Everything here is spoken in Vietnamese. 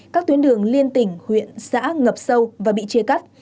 các tuyến đường liên tỉnh huyện xã ngập sâu và bị chia cắt